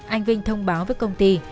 anh vinh thông báo với công ty